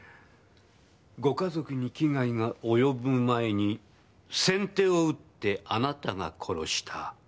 ご家族に危害がおよぶ前に先手を打ってあなたが殺した。